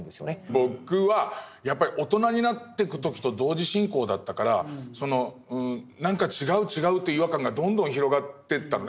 僕はやっぱり大人になってく時と同時進行だったからその何か違う違うという違和感がどんどん広がってったのね。